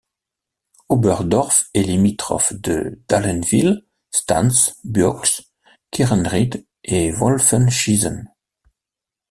Oberdorf est limitrophe de Dallenwil, Stans, Buochs, Beckenried et Wolfenschiessen.